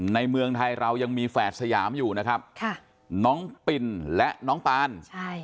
ในเมืองไทยเรายังมีแฝดสยามอยู่นะครับน้องปินและน้องปาน